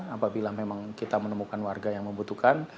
apabila memang kita menemukan warga yang membutuhkan